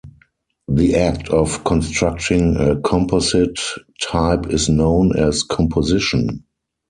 The act of constructing a composite type is known as composition.